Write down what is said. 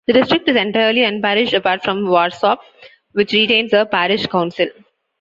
The district is entirely unparished apart from Warsop, which retains a parish council.